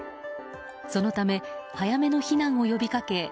そのため早めの避難を呼びかけ